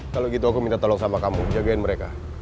kalau gitu aku minta tolong sama kamu jagain mereka